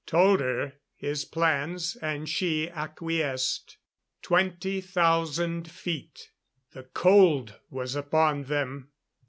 Told her his plans, and she acquiesced. Twenty thousand feet. The cold was upon them.